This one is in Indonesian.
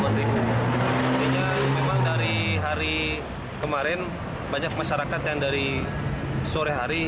artinya memang dari hari kemarin banyak masyarakat yang dari sore hari